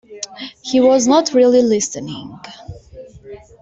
He was not really listening.